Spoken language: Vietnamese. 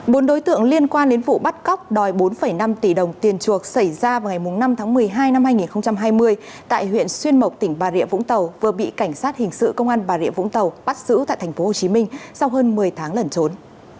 bốn đối tượng liên quan đến vụ bắt cóc đòi bốn năm tỷ đồng tiền chuộc xảy ra vào ngày năm tháng một mươi hai năm hai nghìn hai mươi tại huyện xuyên mộc tỉnh bà rịa vũng tàu vừa bị cảnh sát hình sự công an bà rịa vũng tàu bắt giữ tại tp hcm sau hơn một mươi tháng lẩn trốn